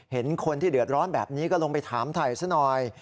เห็นคนที่เดือดร้อนแบบนี้ก็ลงไปถามถ่ายซะหน่อย